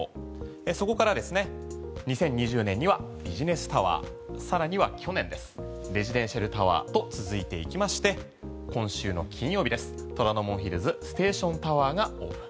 そこからですね２０２０年にはビジネスタワーさらには去年ですレジデンシャルタワーと続いていきまして今週の金曜日です、虎ノ門ヒルズステーションタワーがオープン。